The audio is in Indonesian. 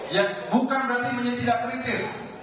ya bukan berarti menjadi tidak kritis